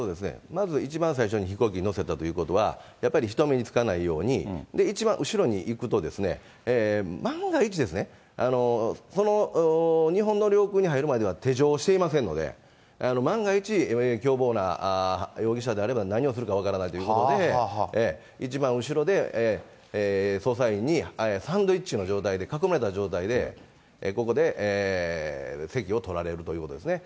まず一番最初に飛行機に乗せたということは、やっぱり人目につかないように、一番後ろに行くと、万が一ですね、日本の領空に入るまでは手錠をしていませんので、万が一、凶暴な容疑者であれば何をするか分からないということで、一番後ろで、捜査員にサンドイッチの状態で、囲まれた状態で、ここで席を取られるということですね。